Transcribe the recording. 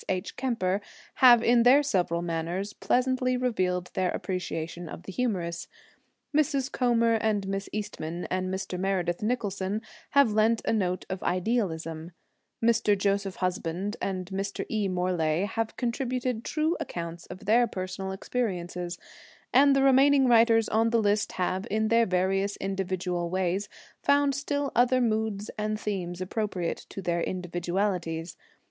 H. Kemper have, in their several manners, pleasantly revealed their appreciation of the humorous; Mrs. Comer and Miss Eastman and Mr. Meredith Nicholson have lent a note of idealism; Mr. Joseph Husband and Mr. E. Morlae have contributed true accounts of their personal experiences; and the remaining writers on the list have, in their various individual ways, found still other moods and themes appropriate to their individualities.